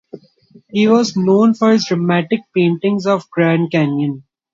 He was known for his dramatic paintings of the Grand Canyon.